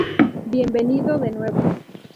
Bienvenido de nuevo.